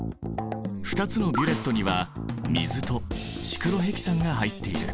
２つのビュレットには水とシクロヘキサンが入っている。